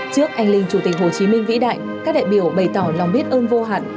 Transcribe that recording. trước anh linh chủ tịch hồ chí minh vĩ đại các đại biểu bày tỏ lòng biết ơn vô hạn